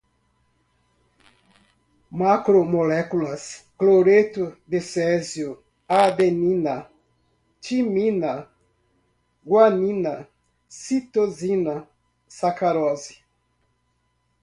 isopícnica, gradientes, macromoléculas, cloreto de césio, adenina, timina, guanina, citosina, sacarose